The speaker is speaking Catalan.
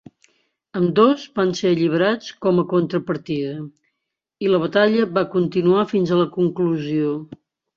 Ambdós van ser alliberats com a contrapartida i la batalla va continuar fins a la conclusió.